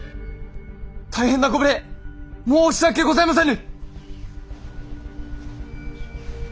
大変なご無礼申し訳ございませぬ！